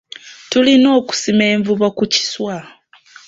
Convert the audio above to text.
Tulina okusima envubo ku kiswa.